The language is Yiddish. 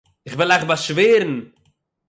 איך וועל אייך באשווערען